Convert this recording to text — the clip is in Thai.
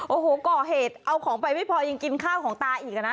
โอ้โหก่อเหตุเอาของไปไม่พอยังกินข้าวของตาอีกนะ